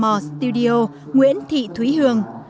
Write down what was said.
tò mò studio nguyễn thị thúy hương